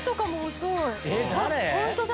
本当だ！